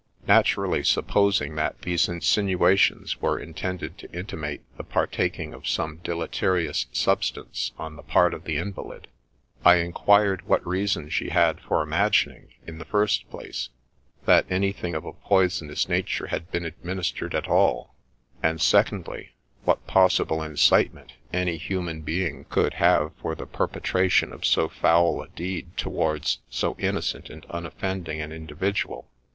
' Naturally supposing that these insinuations were intended to intimate the partaking of some deleterious substance on the part of the invalid, I inquired what reason she had for imagining, in the first place, that anything of a poisonous nature had been administered at all ; and, secondly, what possible incitement any human being could have for the perpetration of so foul a deed towards so innocent and unoffending an individual